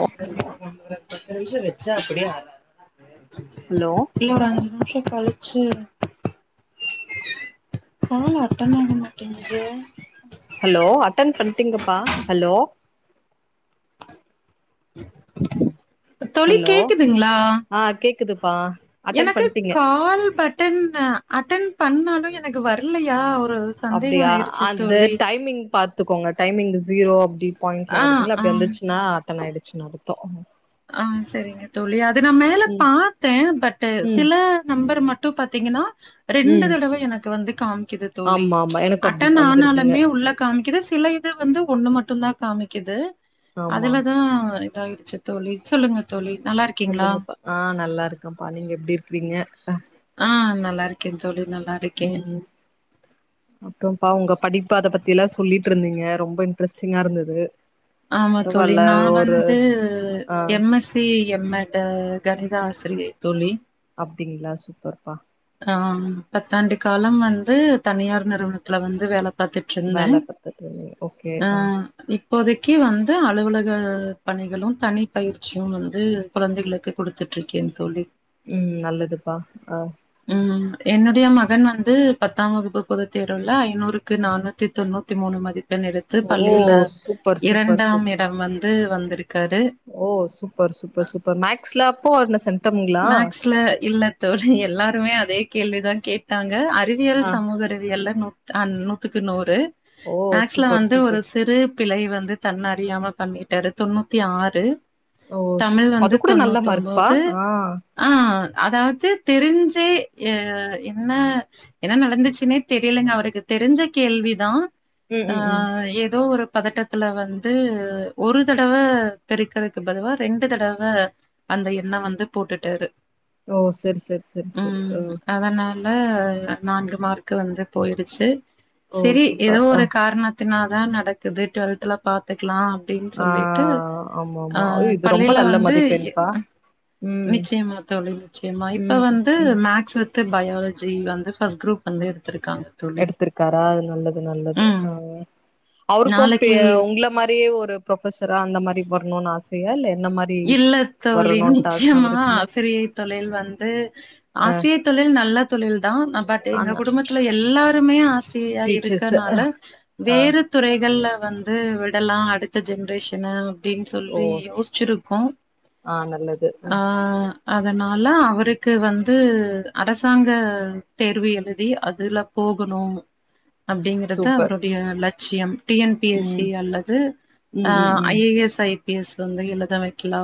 [unintelligible] பத்து நிமிஷோ வெச்சா அப்டியே ஆ [unintelligible] ஹலோ இல்ல ஒரு அஞ்சு நிமிஷ கழிச்சு கால் அட்டன் ஆக மாட்டேங்குது ஹலோ அட்டன் பண்ட்டிங்கப்பா ஹலோ தோழி ஹலோ கேக்குதுங்களா ஆ கேக்குதுப்பா அட்டன் எனக்கு பண்ட்டீங்க கால் பட்டன் அட்டன் பண்ணாலு எனக்கு வரலையா ஒரு சந்தேகோ அப்டியா ஆயிருச்சு அந்த தோழி டைமிங் பா த்துக்கோங்க டைமிங் ஷீரோ அப்டி பாயிண்ட்ல ஆ வருதுங்களா ஆ அப்டி வந்துச்சுன்னா அட்டன் ஆயிடுச்சு அர்த்தோ ஆ சரிங்க தோழி அது நா மேல ம் பாத்தே பட் ம் சில நம்பர் மட்டு இப்ப பாத்தீங்கன்னா ரெண்டு ம் தடவ எனக்கு வந்து காமிக்கிது தோழி ஆமா ஆமா எனக்கு அப்டி அட்டன் வந்திருக்குங்க ஆனாலுமே உள்ள காமிக்குது சில இது வந்து ஒண்ணு மட்டு தா காமிக்குது ஆமா அதுலதா இதாயிடுச்சு தோழி சொல்லுங்க தோழி நல்லா இருக்கீங்களா சொல்லுங்கப்பா ஆ நல்லா இருக்கேப்பா நீங்க எப்டி இருக்குறீங்க ஆ நல்லா இருக்கே தோழி நல்லா இரு ம் அப்புறம்ப்பா உங்க படிப்பு அத பத்தி எல்லா சொல்லிட்டு இருந்தீங்க ரொம்ப இன்ட்ரெஸ்டிங்கா இருந்தது ஆமா தோழி பரவால்ல நா ஒரு வந்து ஆ எம் எஸ் தி எம் மட்டு கணிக ஆசிரியை தோழி அப்டிங்களா சூப்பர்ப்பா ஆ பத்தாண்டு காலம் வந்து தனியார் நிறுவனத்துல வந்து வேல பாத்துட்டு இருந்தே வேல பாத்துட்டு இருந்தீங்க ஓகே ஆ இப்போதைக்கு வந்து அலுவலக பணிகளு தனி பயிற்சியு வந்து இப்ப வந்து [unintelligible] குடுத்துட்டு இருக்கேன் தோழி ம் நல்லதுப்பா ஆ ம் என்னுடைய மகன் வந்து பத்தாம் வகுப்பு பொதுத் தேர்வுல ஐநூறுக்கு நானூத்தி தொண்ணூத்தி மூணு மதிப்பெண் எடுத் எடுத்து‌ ஓ பள்ளியில சூப்பர் சூப்பர் இரண்டாம் சூப்பர் இடம் வந்து வந்திருக்காரு ஓ சூப்பர் சூப்பர் சூப்பர் மேக்ஸ்ல அப்போ என்ன செ மேக்ஸ்ல இல்ல தோழி எல்லாருமே அதே கேள்விதா கேட்டாங்க அறிவியல் ஆ சமூக அறிவியல்ல நூத் அ நூத்துக்கு நூறு ஓ மேக்ஸ்ல சூப்பர் வந்து ஒரு சூப்பர் சிறு பிழை வந்து தன்னறியாம பண்ணிட்டாரு தொண்ணூத்தி ஆறு ஓ சு தமிழ் அது வந்து கூட நல்ல தொண்ணூத்தி மார்க்ப்பா ஒம்போது ஆ ஆ அதாது தெரிஞ்சே அ என்ன என்ன நடந்துச்சுன்னே தெரியலங்க அவருக்கு தெரிஞ்ச கேள்வி தா ம் ஆ ம் ம் ஏதோ ஒரு பதட்டத்துல வந்து ஒரு தடவ பெறுக்குறதுக்கு பதுவா ரெண்டு தடவ அந்த எண்ண வந்து போட்டுட்டாரு ஓ சரி சரி சரி சரி ஓ அதுல நான்கு மார்க்கு வந்து போயிருச்சு ஓ சரி எதோ சூப்பர் அ ஒரு காரணத்த னால தா நடக்குது டுவெல்த்ல பாத்துக்லா அப்டின்னு ஆ சொல்லிட்டு ஆமா அ ஆமா இது ரொம்ப பள்ளியில நல்ல வந்து மதிப்பெண்ப்பா ம் நிச்சயமா தோழி நிச்சயமா இப்ப ம் வந்து ம் மேக்ஸ்ல த்து பயாலஜி வந்து ஃபஸ்ட் குரூப் வந்து எடுத்துருக்காங்க எடுத்துருக்காரா நல்லது நல்லது ம் அ அவருக்கு பெ நாளைக்கு உள்ள உன்ன மாரியே ஒரு ப்ரொஃபசரா அந்த மாரி வரணோனு ஆசையா இல்ல என்ன மாரி இல்ல தோழி வரணுன்ட்டு ஆச நிச்சயமா அவருக்குன்னு ஆசிரியை தொழில் வந்து அ ஆசியை தொழில் நல்ல தொழில் தா பட் ஆனா எங்க குடும்பத்துல எல்லாருமே ஆசிரியரா டீச்சர்ஸ் இருக்கனால அ வேறு துறைகள்ல வந்து விடலா அடுத்த ஜென்ரேஷன அப்டின் சொல்லி ஓஸ் யோஸ்சிருப் ஆ நல்லது அ அதனால அவருக்கு வந்து அரசாங்க தேர்வு எழுதி அதுல போகணு அப்டிங்கிறது சூப்பர் அவருடைய லட்சியம் டி என் பி எஸ் ம் சி அல்லது ம் ம் ஐ ம் A S, I P S வந்து எழுத வெக் கிலா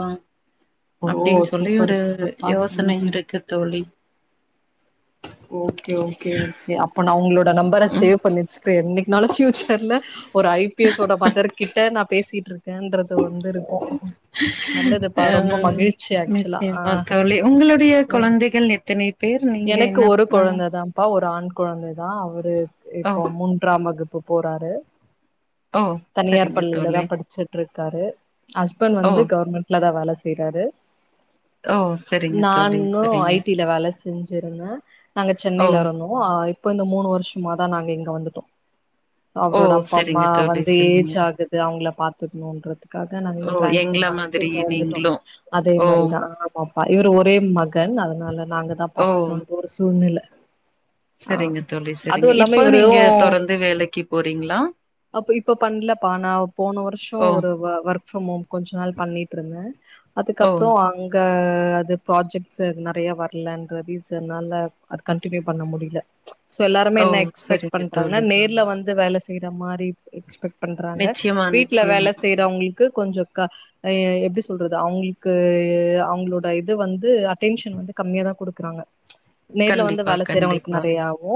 ஓ அப்டின் சொல்லி சூப்பர் ஒரு சூப்பர்ப்பா யோசனை ம் இருக்கு தோழி ஓகே ஓகே ஓகே அப்ப நா உங்ளோட நம்பர சேவ் பண்ணி வெச்சிக்றே என்னிக்னாலு ஃப்யூச்சர்ல ஒரு ஐ பி எஸ் ஓட மதர் கிட்ட நா பேசிகிட்ருக்கேன்றது வந்திரு அ மகிழ்ச்சி ஆக்சுவலா ஆ நிச்சயமா தோழி உங்களுடைய ம் கொழந்தைகள் எத்தனை பேர் நீங்க எனக்கு என்ன ஒரு ம் கொழந்த தாம் ப்பா ஒரு ஆண் கொழந்த தா அவரு ஓ இப்போ மூன்றாம் வகுப்பு போறாரு ஓ தனியார் சரிங்க பள்ளில தா தோழி படிச்சிட்ருக்காரு ஹஸ்பண்ட் ஓ வந்து கவர்மெண்ட் லதா வேல செய்றாரு ஓ சரிங்க தோழி நானு சரிங்க ஐ டி ல வேல செஞ்சிருந்த நாங்க ஓ சென்னைலருந்தோ அ இப்ப இந்த மூணு வர்ஷமாதா நாங்க இங்க வந்துட்டோ ஓ அவுரோட அப்பா அம்மா சரிங்க தோழி வந்து சரிங்க ஏஜ் ஆகுது அவுங்கள பாத்துக்கனுன்றதுக்காக அதா நாங்க இங்க ஓ ட்ரான்ஸ்ஃபர் எங்கள வாங்கிட்டு மாதிரி இங்க வந்துட்டோ நீங்களு அதே ஓ மாரிதா ஆமாப்பா இவுரு ஒரே மக ன் அதனால நாங்க தா ஓ பாத்துக்னுன்ற ஒரு சூழ்நில ஆ செரிங்க தோழி அதுவு செரிங்க இல்லாம இப்போ இவரு நீங்க தொடர்ந்து வேலைக்கு போறீங்ளா அப்போ இப்போ பண்லப்பா நா போன வருஷோ ஓ ஒரு வ ஒர்க் ஃப்ரம் ஹோம் கொஞ்ச நாள் பண்ணிட்ருந்தே ஓ அதுக்கப்றோ அங்க அது ப்ராஜெக்ட்ஸு நெறைய வர்லன் ற ரீசன்னால அது கன்ட்டினியூ பண்ண முடியில சோ எல்லாருமே ஓ என்ன எக்ஸ்பெக்ட் சரிங்க பண்றாங்னா தோழி நேர்ல வந்து வேல செய்ற மாரி எக்ஸ்பெக்ட் பண்றாங்க நிச்சயமா வீட்ல வேல நிச்சயமா செய்றவ்ங்ளுக்கு கொஞ்சோ க அ எப்டி சொல்றது அவுங்ளுக்கு அவங்ளோட இது வந்து அட்டென்ஷன் வந்து கம்மியா தா குடு க்றாங்க நேர்ல வந்து கண்டிப்பா வேல செய்றவங்கள்க்கு கண்டிப்பா நெறையாவு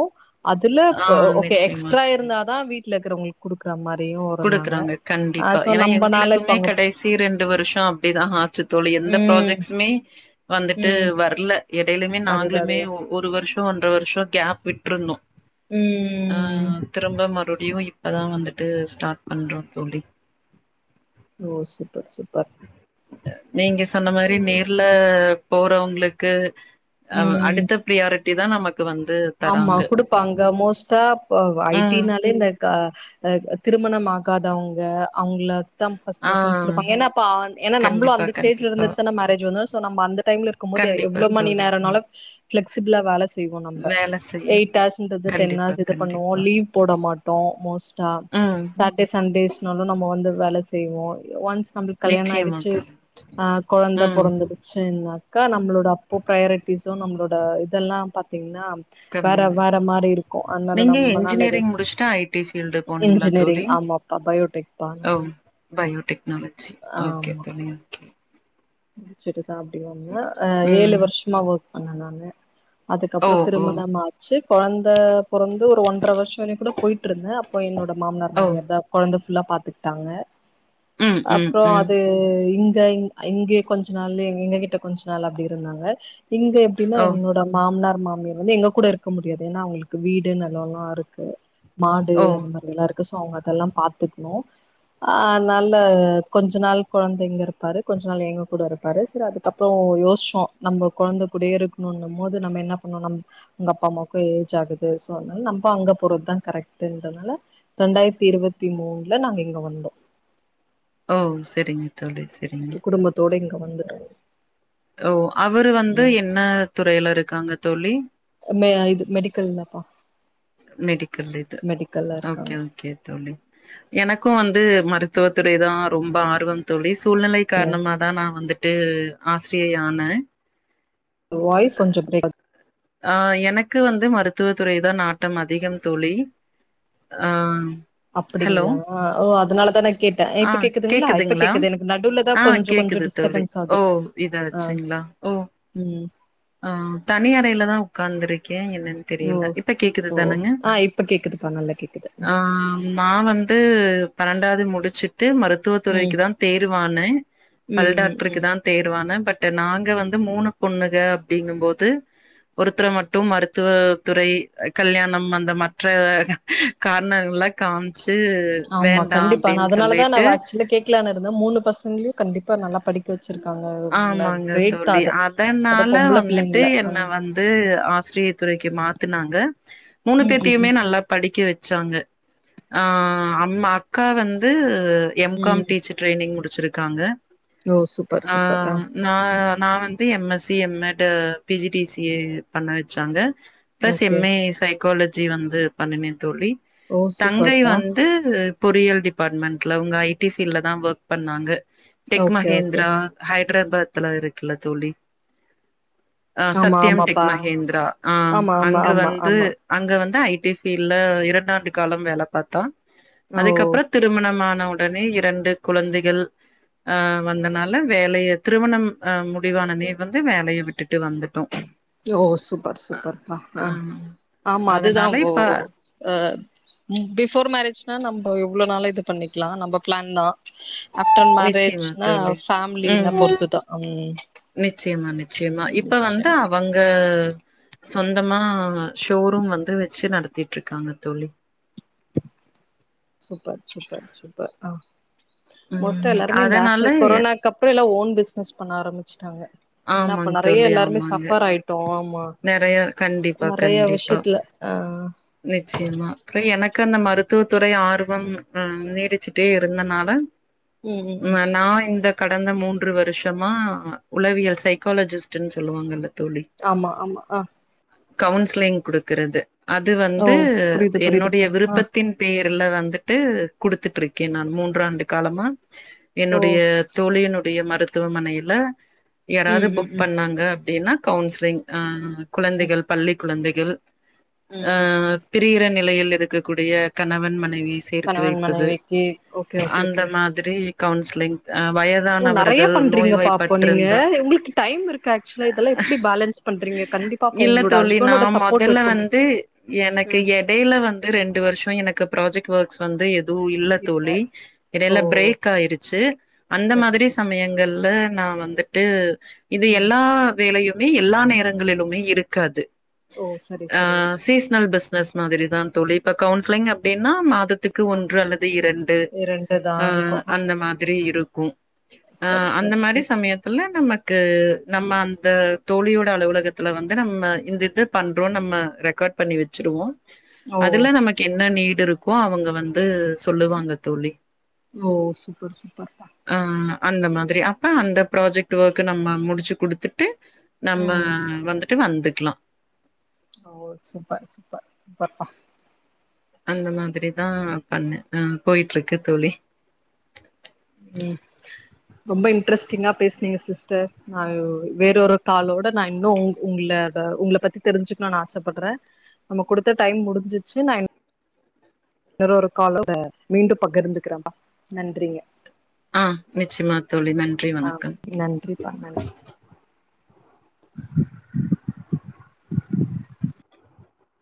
அதுல ஆ ப ஓகே நிச்சயமா எக்ஸ்ட்ரா இருந்தா தா வீட்ல இக்கறவ்ங்கள்க் குடுக்கற மாரியு இருந்தாங்க குடுக்றாங்க ஆ கண்டிப்பா சோ ஏனா நம்பனால இப்ப எங்ளுக்குமே அங்க கடைசி ரெண்டு வருஷோ அப்டிதா ஆச்சு தோழி எந்த ம் ப்ராஜெக்ட்ஸ்மே வந்துட்டு ம் வர்ல எடைலுமே அதுதா அது நாங்ளுமே ஓ ஒரு வருஷோ ஒன்ற வருஷோ கேப் விட்ருந்தோ ம் அ திரும்ப மறுப்டியு இப்பதா வந்துட்டு ஸ்டாட் பண்றோ தோழி ஓ சூப்பர் சூப்பர் நீங்க சொன்ன மாரி நேர்ல போறவ்ங்ளுக்கு அ ம் அடுத் த ப்ரியாரெட்டி தா நமக்கு வந்து ஆமா தராங்க குடுப்பாங்க மோஸ்டா பொவா ஐ டி ம் னாலே இந்த க அ திருமணம் ஆகாதவ்ங்க அவுங்ள தாம் ஃபஸ்ட் ஆ ப்ரிஃபரன்ஸ் குடுப்பாங்க ஏனாப்பா ஏனா நம்பளு கண்டிப்பா அந்த ஸ்டெஜுல கண்டிப்பா இருந்துட் தான மேரேஜ் வந்தோ சோ நம்ப அந்த டைம்ல இரு க்கும்போது கண்டிப்பா எவ்ளோ மணி தோழி நேரன்னாலு ஃப்ளக்சிபிளா வேல செய்வோ நம்ப வேல செய்யு எய்ட் ஆர்ஸ்ன்றது டென் கண்டிப்பா ஆர்ஸ் இத பண்ணுவோ கண்டிப்பா லீவ் போட மாட்டோ மோஸ்ட்டா ம் சாட் டே சன்டேஸ்னாலு நம்ம வந்து வேல செய்வோ அ ஒன்ஸ் நம்பளுக் கல்யாண் நிச்சயமா ஆய்டுச்சு தோழி அ கொழந்த ம் பொறந்துடு ச்சுன்னாக்கா நம்ளோட அப்போ ப்ரெயாரெட்டிஸு நம்ளோட இதெல்லா பாத்தீங்ன்னா வேற கம்மி வேற மாரி இருக்கு அதுனால நீங்க நம்மனால இத இன்ஜினியரிங் முடிச்சுட்டு ஐ டி ஃபீல்டு போனீங்களா இன்ஜினியரிங் தோழி ஆமா தா பயோ டெக்தா ஓ நானு பயோடெக்னாலஜி ஓகே ஆமா பமே ஓகே முடிச்சுட்டுதா அப்டி வந்து அ ஏழு ம் வருஷமா வொக் பண்ணே நானு ஓ அதுக்கப்றோ ஓ திருமணமாச்சு கொழந்த பொறந்து ஒரு ஒன்றரை வருஷோ வரையு கூட போயிட்டு இருந்தே அப்போ என்னோட மாமனார் ஓ மாமியார் தா கொழந்த ஃபுல்லா பாத்துக்கிட்டாங்க ம் ம் அப்றோ ம் அது இந்த ங் ய இங்கே கொஞ்ச நாள்லே எங்க கிட்ட கொஞ்ச நாள் அப்டி இருந்தாங்க இங்க எப்டின்னா ஓ என்னோட மாமனார் மாமியார் வந்து எங்க கூட இருக்க முடியாது ஏனா அவுங்களுக்கு வீடு நெலோலா இருக்கு மாடு ஓ அது மா இதலா இருக்கு சோ அவுங்க அதெல்லா பாத்துக்ணு ஆ அதுனால கொஞ்ச நாள் கொழந்த இங்க இருப்பாரு கொஞ்ச நாள் எங்க கூட இருப்பாரு செரி அதுக்கப்றோ யோசிச்சோ நம்மோ கொழந்த கூடயே இருக்கணுன்னு மோது நம்ம என்ன பண்ணோ நம் உங்க அப்பா அம்மாவுக்கு ஏஜ் ஆகுது சோ அதுனால நம்ப அங்க போறது தா கரெக்ட்டுன்றனால ரெண்டாயிரத்தி இருவத்தி மூணுல நாங்க இங்க வந்தோ ஓ செரிங்க தோழி செரிங்க அதோட இங்க வந்துட்டோ ஓ அவரு வந்து ம் என்ன துறைல இருக்காங்க தோழி மெ இது மெடிக்கல்லப்பா மெடிக்கல் இது மெடிக்கல்ல ஓகே இருக்காங்க ஓகே தோழி எனக்கு வந்து மருத்துவ துறை தா ரொம்ப ஆர்வம் தோழி சூழ்நிலை கார்ணமா தா நா வந்துட்டு ஆசிரியை ஆனே யூ வாய்ஸ் கொஞ்சோ ப்ரேக் ஆ எனக்கு வந்து மருத்துவத்துறை தா நாட்டம் அதிகம் தோழி ஆ ஹலோ அப்டிங்கிளா ஓ அதுனால தா நா கேட் த இப்ப கேக்குதுங்களா இப்ப கேக்குது எனக்கு நடுவுலதா ஆ கொஞ்சோ கொஞ்சோ கேக்குது தோழி டிஸ்டஃபன்ஸ் ஆது ஓ ஆ ம் அம் தனி அறேல தா உக்காந்துருக்கே என்னன் ஓ தெரியல இப்ப கேக்குது ஓ தானங்க ஆ இப்ப கேக்குதுப்பா நல்லா கேக்குது ஆம் நா வந்து பன்னெண்டாது முடிச்சுட்டு மருத் ம் துவத்துறைக்கு தா தேர்வானே பல் ம் ம் டாக்டருக்கு ம் தா தேர்வானே பட் நாங்க வந்து மூணு பொண்ணுக அப்டிங்கு போது ஒருத்தர மட்டு மருத்துவ துறை கல்யாணம் அந்த மற்ற காரணங்கள்லா காம்ச்சு ஆமா கண்டிப்பா நா அதுனால தா நா வா ஆக்சுவலி கேக்லான் ருந்தே மூணு பசங்கலயு கண்டிப்பா நல்லா படிக் க வச்சுருக்காங்க ந ஆமாங்க கிரேட் தா தோழி அது அது பொம்பள பிள்ளைங்கல அ து ஆசிரியை துறைக்கு மாத்துனாங்க மூணு ம் ம் பேத்தையுமே ம் நல்லா படிக்க வச்சாங்க ஆ அம் அக்கா வந்து எம் காம் ம் டீச்சர் ட்ரைனிங் முடிச்சுருக்காங்க ஓ சூப்பர் சூப்பர் ஆ நா நா வந்து M S C M Ed P G D C A பண்ண வச்சாங்க plus okay M A psychology வந்து பண்ணுனே தோழி ஓ தங்கை சூப்பர்ப்பா வந் து பொறியியல் டிபாட்மெண்ட்ல உங்க ஐ டி ஃபீல்ல தா ஒர்க் பண்ணாங்க டெக் ஓகே ஓகே மஹேந்திரா ஹைதராபாத்லா இருக்குல்ல தோழி அ ஆமா சத்யம் டெக் ஆமாப்பா மகேந்திரா ஆ ஆமா ஆமா அங்க ஆமா வந்து ஆமா அங்க வந்து ஐடி ஃபீல்ல இரண்டாண்டு காலம் வேல பாத்தா ஓ அதுக்கப்பறத் திருமணமான ஒடனே இரண்டு குழந்தைகள் அ வந்தனால வேலைய திருமணம் அ முடிவான நேர் வந்து வேலைய விட்டுட்டு வந்துடோம் ஓ சூப்பர் சூப்பர் அ அ ஆமா அதுதா அதனால ஓ இப்ப அ பிஃபோர் மேரேஜ்னா நம்ப எவ்வளோனாலு இது பண்ணிக்கலா நம்ப ப்ளான் தான் ஆப்டர் நிச்சயமா மேரேஜ்னா தோழி ஃபேமிலி ம் ன்ன பொறுத்துதா நிச்சயமா நிச்சயமா இப்ப வந்து நிச்சயமா அவங்க சொந்தமா ஷோரூம் வந்து வச்சு நடத்திட்ருக்காங்க தோழி சூப்பர் சூப்பர் அ மோஸ்ட்டா ம் எல்லாருமே இந்த அதனால ஆஃப்டர் எ கொரோனாக் அப் ப்ப எல்லா ஓன் பிஸ்னஸ் பண்ண ஆரம்பிச்சிட்டாங்க ஏன்னா ஆமாங் அப்ப நெறய எல்லாருமே சஃபர் ஆயிட்டோ நெறயா கண்டிப்பா நெறைய கண்டிப்பா விஷயத்துல ஆ நிச்சியமா அப்டியே எனக்கு அந்த மருத்துவ துறை ஆர்வம் ம் நீடிச்சிட்டே இருந்தனால ம் ம் ம் ம்ம நா இந்த கடந்த மூன்று வருஷமா உளவியல் சைக்காலஜிஸ்ட்டுன்னு சொல்லுவாங்கள்ல தோழி ஆமா ஆமா அ கவுன்சிலிங் குடுக்றது அது ஓ வந்து புரியுது என்னுடைய புரியுதுப்பா ஆ விருப்பத்தின் பேர்ல வந்துட்டு குடுத்துட்டுருக்கே நான் மூன்றாண்டு காலமா ஓ என்னுடைய தோழியினுடைய மருத்துவமனையில யாராவது ம் ம் புக் ம் பண்ணாங்க அப்டினா கவுன்சிலிங் ஆ ம் குழந்தைகள் பள்ளி குழந்தைகள் ம் அ ம் ம் பிர் பீர நிலையில் இருக்க்கூடிய கணவன் மனைவிய சேர்த்து கணவன் வைப்பது மனைவிக்கு ஓகே ஓகே அந்த ஓகே மா திரி கவுன்சிலிங் அ வய ஒ நெறய பண்றீங்க பா அப்போ நீங்க உங்ளுக்கு டைம் இருக்குதா ஆக்சுவலா இதெல்லாம் எப்டி பேலன்ஸ் பண்றீங்க கண்டிப்பா அப்போ இல்ல உங்களோட தோழி நா ஹஸ்பண்டோட சப்போட் இருக்குமே ம் டேல வந்து ரெண்டு வருஷோ எனக்கு பிராஜெக்ட் ஒர்க்ஸ் வந்து எதுவு இல்ல தோழி ஓ இடைல பிரேக் ஆயிருச்சு அந்த சரி மாதிரி சரி சமயங்கள்ல நா வந்து ட்டு இது ம் எல்லா வேலையுமே எல்லா நேரங்களிலுமே இருக்காது ஓ சரி ஆ சரிங்க சீஸ்னல் பிஸ்னஸ் மாதிரி தா தோழி இப்போ கவுன்சிலிங் அப்டின்னா மாதத் துக்கு ஒன்று அல்லது இரண்டு இரண்டுதா ஆ இருக்கு அந்த மாதிரி இருக்கு ஆ சரி அந்த சரி மாரி சரி சமயத்துல நமக்கு நம்ம அந்த தோழியோட அலுவலகத்துல வந்து நம்ம இந்த இது பண்றோ நம்ம ரெக்காட் பண்ணி வச்சிருவோ ஓ அதுல நமக்கு என்ன நீடு இருக்கோ அவங்க வந்து சொல்லுவாங்க தோழி ஓ சூப்பர் சூப்பர் பா ஆ அந்த மாதிரி அப்ப அந்த பிராஜெக்ட் ஒர்க்கு நம்ம முடிச்சு குடுத்துட்டு நம்ம ம் வந்துட்டு வந்துக்கலா ஓ சூப்பர் சூப்பர் சூப்பர்ப்பா அந்த மாதிரி தா பண்ணே ஆ போய்ட்டுருக்கு தோழி ரொம்ப இன்ட்ரெஸ்ட்டிங்கா பேஸ்னீங்க சிஸ்டர் ஆயோ வேறொரு காலோட நா இன்னு உ உங்கள உங்கள பத்தி தெரிஞ்சுக்கனு நா ஆசப்படுறே நம்ம குடுத்த டைம் முடிஞ்சிச்சி நா இன் வேறொரு காலோட மீண்டும் பகிர்ந்துக்கிறேம்பா. நன்றிங்க ஆ நிச்சயமா தோழி நன்றி ஆ வணக்கம் நன்றிப்பா நன்றி